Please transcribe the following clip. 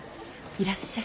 いらっしゃい。